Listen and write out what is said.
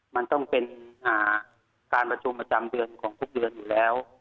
มันต้องเป็นการประชุมประจำเดือนของทุกเดือนอยู่แล้ว